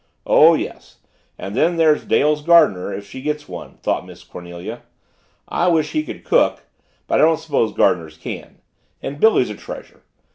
Oh, yes and then there's Dale's gardener, if she gets one, thought Miss, Cornelia. "I wish he could cook but I don't suppose gardeners can and Billy's a treasure.